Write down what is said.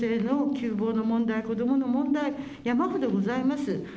女性の窮乏の問題、子どもの問題、山ほどございます。